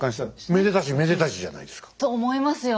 めでたしめでたしじゃないですか。と思いますよね。